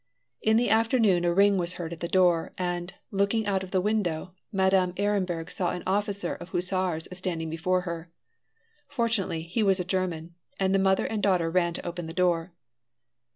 In the afternoon a ring was heard at the door, and, looking out of the window, Madame Ehrenberg saw an officer of hussars standing before her. Fortunately, he was a German, and mother and daughter ran to open the door.